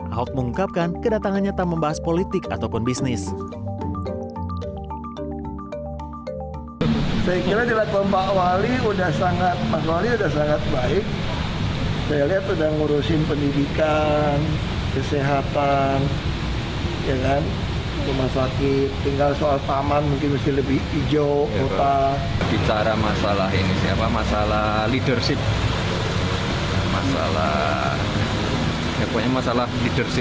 ahok mengungkapkan kedatangannya tanpa membahas politik ataupun bisnis